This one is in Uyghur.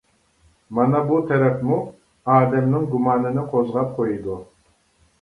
مانا بۇ تەرەپمۇ ئادەمنىڭ گۇمانىنى قوزغاپ قويىدۇ.